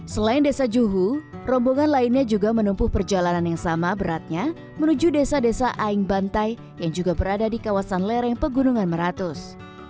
selain desa juhu rombongan lainnya juga menempuh perjalanan yang sama beratnya menuju desa desa aing bantai yang juga berada di kawasan lereng pegunungan meratus